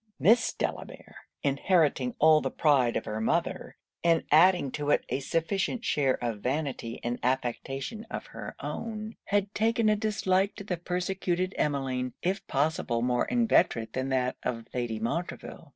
Miss Delamere inheriting all the pride of her mother, and adding to it a sufficient share of vanity and affectation of her own, had taken a dislike to the persecuted Emmeline, if possible more inveterate than that of Lady Montreville.